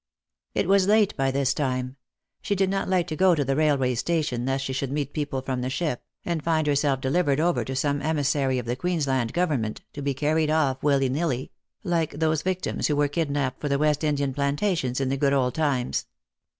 It was late by this time ; she did not like to go to the rail way station lest she should meet the people from the ship, and find herself delivered over to some emissary of the Queensland government, to be carried off, willy nilly, like those victims who were kidnapped for the West Indian plantations, in the good old times.